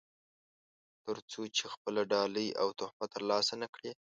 تر څو چې خپله ډالۍ او تحفه ترلاسه نه کړي.